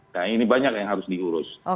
nah ini banyak yang harus diurus